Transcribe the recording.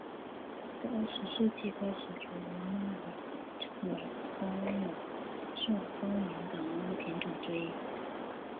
在二十世纪开始暹罗猫已成为欧美受欢迎的猫品种之一。